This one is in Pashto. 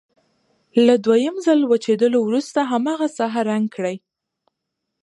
له دویم ځل وچېدلو وروسته هماغه ساحه رنګ کړئ.